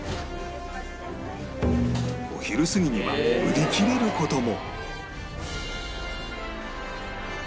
お昼過ぎには売り切れる事も